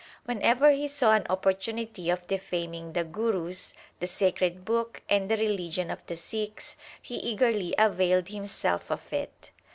When ever he saw an opportunity of defaming the Gurus, the sacred book, and the religion of the Sikhs, he eagerly availed himself of it.